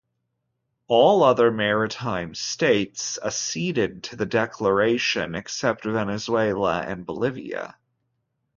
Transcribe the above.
All other maritime states acceded to the declaration except Venezuela and Bolivia.